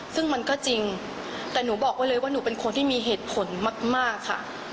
ซึ่งมันก็จริงแต่หนูบอกไว้เลยว่าหนูเป็นคนที่มีเหตุผลมากค่ะ